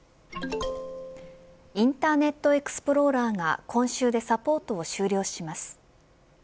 インターネットエクスプローラーが今週でサポートを終了します。